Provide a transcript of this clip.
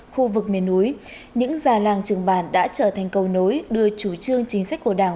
khu vực miền núi những già làng trường bản đã trở thành cầu nối đưa chủ trương chính sách của đảng